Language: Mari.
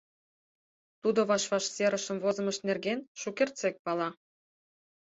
Тудо ваш-ваш серышым возымышт нерген шукертсек пала.